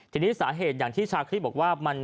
ทีนี้สาเหตุอย่างที่ชาคริสบอกว่า